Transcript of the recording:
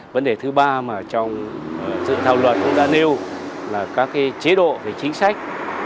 vấn đề thứ ba mà trong dự thảo luật cũng đã nêu là các chế độ về chính sách